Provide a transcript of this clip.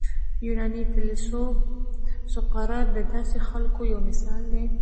یوناني فیلسوف سقراط د داسې خلکو یو مثال دی.